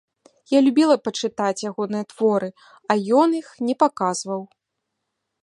Я любіла пачытаць ягоныя творы, а ён іх не паказваў.